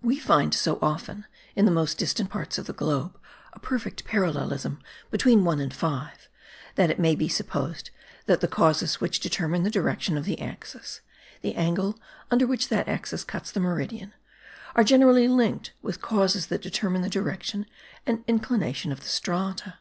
We find so often in the most distant parts of the globe, a perfect parallelism between 1 and 5, that it may be supposed that the causes which determine the direction of the axis (the angle under which that axis cuts the meridian) are generally linked with causes that determine the direction and inclination of the strata.